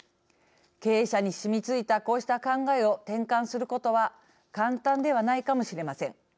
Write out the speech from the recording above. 経営者に染みついたこうした考えを転換することは簡単ではないかもしれません。